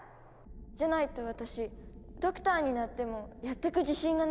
じゃないと私ドクターになってもやってく自信がなくて。